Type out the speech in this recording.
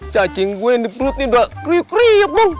cacing gue yang dipelut ini udah kriuk kriuk bang